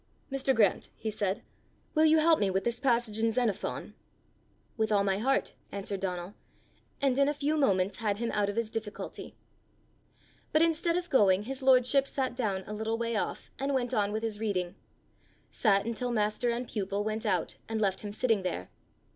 "Mr. Grant," he said, "will you help me with this passage in Xenophon?" "With all my heart," answered Donal, and in a few moments had him out of his difficulty. But instead of going, his lordship sat down a little way off, and went on with his reading sat until master and pupil went out, and left him sitting there.